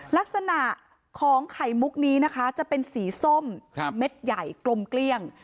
ลักษณะของไข่มุกนี้นะคะจะเป็นสีส้มเม็ดใหญ่กลมเกลี้ยง